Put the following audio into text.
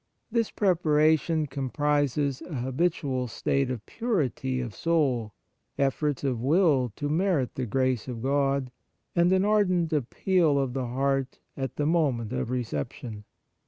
This preparation comprises a habi tual state of purity of soul, efforts of will to merit the gift of God, and an ardent appeal of the heart at the moment of reception.